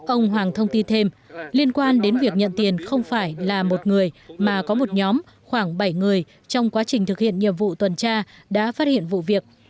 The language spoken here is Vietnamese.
ông hoàng thông tin thêm liên quan đến việc nhận tiền không phải là một người mà có một nhóm khoảng bảy người trong quá trình thực hiện nhiệm vụ tuần tra đã phát hiện vụ việc